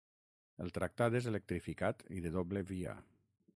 El traçat és electrificat i de doble via.